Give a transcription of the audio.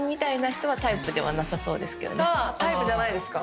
「タイプじゃないですか？」